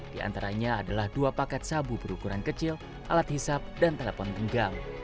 di antaranya adalah dua paket sabu berukuran kecil alat hisap dan telepon genggam